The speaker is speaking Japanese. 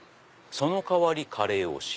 そのかわりカレー推し！